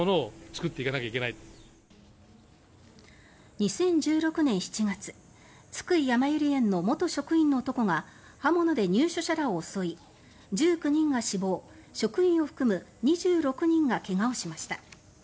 ２０１６年７月津久井やまゆり園の元職員の男が刃物で入所者らを襲い１９人が死亡職員を含む２６人が怪我をしました。